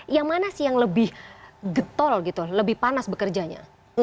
yang mana sih yang lebih getol gitu lebih panas bekerjanya